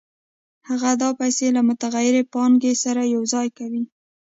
هغه دا پیسې له متغیرې پانګې سره یوځای کوي